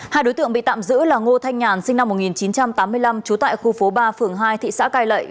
hai đối tượng bị tạm giữ là ngô thanh nhàn sinh năm một nghìn chín trăm tám mươi năm trú tại khu phố ba phường hai thị xã cai lệ